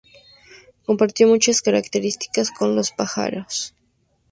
Compartió muchas características con los pájaros.